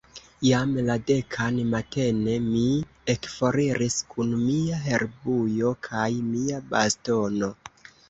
Jam la dekan matene, mi ekforiris kun mia herbujo kaj mia bastono.